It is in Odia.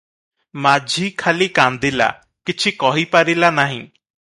ମାଝି ଖାଲି କାନ୍ଦିଲା, କିଛି କହି ପାରିଲା ନାହିଁ ।